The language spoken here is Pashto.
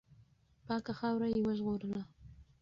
پاکه خاوره یې وژغورله.